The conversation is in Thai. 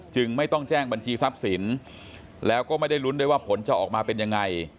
ไม่ต้องแจ้งบัญชีทรัพย์สินแล้วก็ไม่ได้ลุ้นด้วยว่าผลจะออกมาเป็นยังไง